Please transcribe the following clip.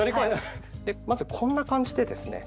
まずこんな感じでですね